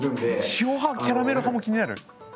塩派キャラメル派も気になる？